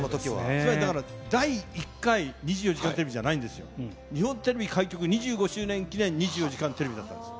つまりだから、第１回２４時間テレビじゃないんですよ、日本テレビ開局２５年２４時間テレビだったんです。